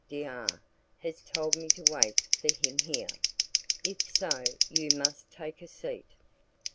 D R has told me to wait for him here." "If so, you may take a seat."